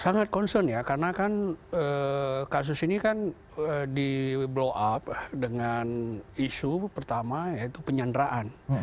sangat concern ya karena kan kasus ini kan di blow up dengan isu pertama yaitu penyanderaan